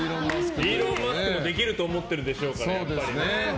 イーロン・マスクもできると思ってるでしょうから。